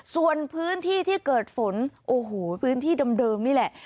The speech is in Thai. ส่วนพื้นที่ที่เกิดฝนโอ้โหพื้นที่เดิมนี่แหละ